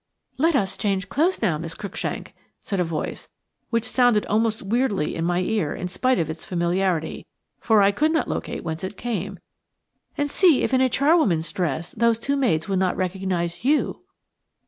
"Let us change clothes now, Miss Cruikshank," said a voice, which sounded almost weirdly in my ear in spite of its familiarity, for I could not locate whence it came, "and see if in a charwoman's dress those two maids would not recognise you."